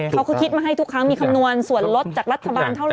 เขาก็คิดมาให้ทุกครั้งมีคำนวณส่วนลดจากรัฐบาลเท่าไห